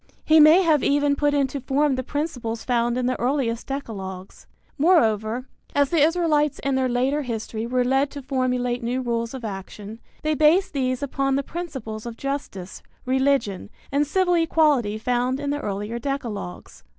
He may have even put into form the principles found in the earliest decalogues. Moreover, as the Israelites in their later history were led to formulate new rules of action, they based these upon the principles of justice, religion and civil equality found in the earlier decalogues.